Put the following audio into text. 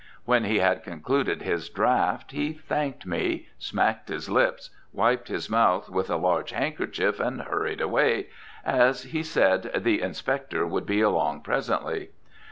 When he had concluded his draught, he thanked me, smacked his lips, wiped his mouth with a large handkerchief, and hurried away, as, he said, "the inspector" would be along presently.